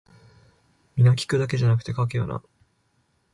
皆聞くだけじゃなくて書けよな